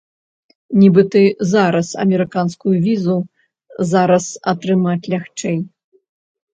Нібыта, зараз амерыканскую візу зараз атрымаць лягчэй.